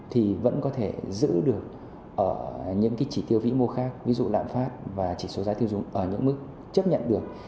thì vẫn có thể giữ được những chỉ tiêu vĩ mô khác ví dụ lạm phát và chỉ số giá tiêu dùng ở những mức chấp nhận được